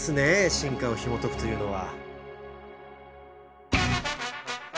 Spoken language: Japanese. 進化をひもとくというのは。